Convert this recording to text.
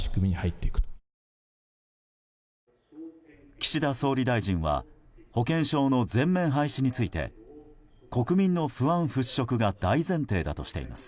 岸田総理大臣は保険証の全面廃止について国民の不安払拭が大前提だとしています。